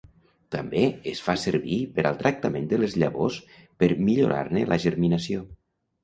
També es fa servir per al tractament de les llavors per millorar-ne la germinació.